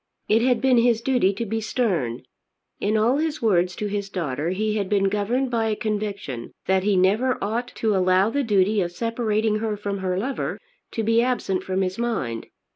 It had been his duty to be stern. In all his words to his daughter he had been governed by a conviction that he never ought to allow the duty of separating her from her lover to be absent from his mind.